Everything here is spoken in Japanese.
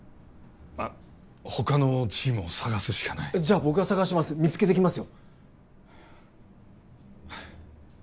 まあ他のチームを探すしかないじゃあ僕が探します見つけてきますよ